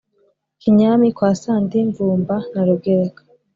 Kinyami kwa Sandi mvumba na Rugereka